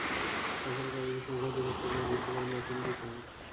তাছাড়া কাগজের সংখ্যা ও দূরত্ব উপর ভিত্তি করে মাশুল দিতে হত।